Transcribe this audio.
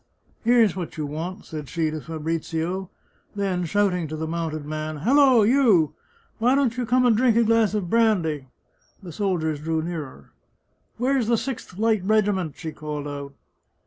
" Here's what you want," said she to Fabrizio. Then, shouting to the mounted man, " Halloo, you ! Why don't you come and drink a glass of brandy ?" The soldiers drew nearer. " Where's the Sixth Light Regiment ?" she called out.